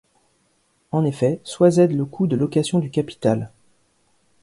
En effet soit z le coût de location du capital.